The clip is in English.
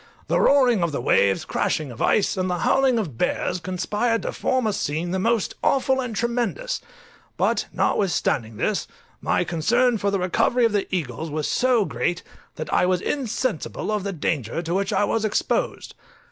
The roaring of waves, crashing of ice, and the howling of bears, conspired to form a scene the most awful and tremendous: but notwithstanding this, my concern for the recovery of the eagles was so great, that I was insensible of the danger to which I was exposed.